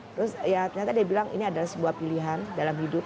terus ya ternyata dia bilang ini adalah sebuah pilihan dalam hidup